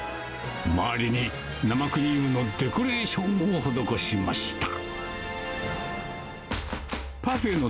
周りに生クリームのデコレーションを施しました。